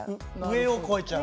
上を越えちゃう？